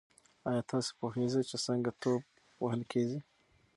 ایا تاسي پوهېږئ چې څنګه توپ وهل کیږي؟